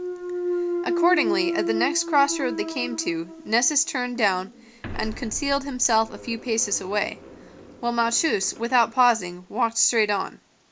Accordingly at the next crossroad they came to Nessus turned down and concealed himself a few paces away, while Malchus, without pausing, walked straight on.